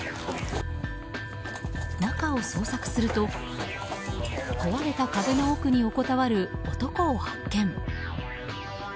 中を捜索すると壊れた壁の奥に横たわる男を発見。